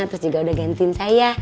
terus juga udah gantiin saya